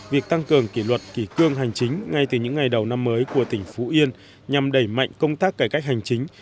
việc tăng cường kỷ luật kỷ cương hành chính ngay từ những ngày đầu năm mới của tỉnh phú yên nhằm đẩy mạnh công tác cải cách hành chính